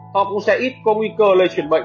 họ cũng sẽ ít có nguy cơ lây chuyển bệnh